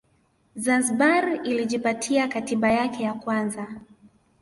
Zanzibar ilijipatia Katiba yake ya kwanza